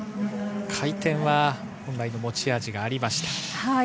回転は持ち味がありました。